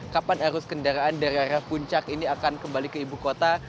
kapan arus kendaraan dari arah puncak ini akan kembali ke ibu kota